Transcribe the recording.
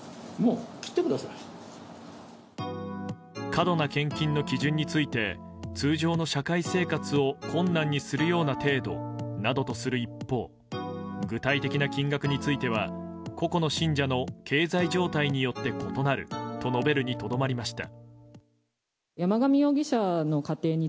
過度な献金の基準について通常の社会生活を困難にするような程度などとする一方具体的な金額については個々の信者の経済状態によって異なると述べるにとどまりました。